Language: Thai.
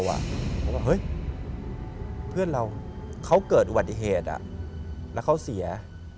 เพราะว่าเฮ้ยเพื่อนเราเขาเกิดอุบัติเหตุแล้วเขาเสีย